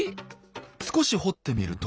少し掘ってみると。